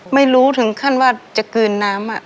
ไม่รู้ถึงขั้นว่าจะคืนน้ำอะ